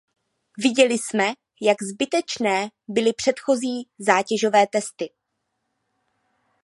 Viděli jsme, jak zbytečné byly předchozí zátěžové testy.